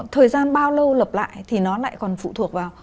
thời gian bao lâu lập lại thì nó lại còn phụ thuộc vào